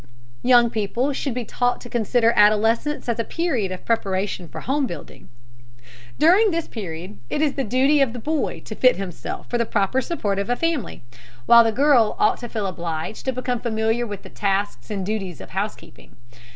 Young people should be taught to consider adolescence as a period of preparation for home building. During this period it is the duty of the boy to fit himself for the proper support of a family, while the girl ought to feel obligated to become familiar with the tasks and duties of housekeeping.